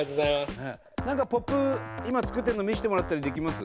何かポップ今作ってるの見せてもらったりできます？